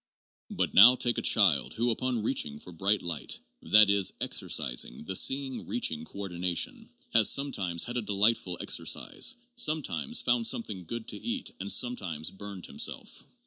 But now take a child who, upon reaching for bright light (that is, exercising the see ing reaching coordination) has sometimes had a delightful exer cise, sometimes found something good to eat and sometimes burned himself.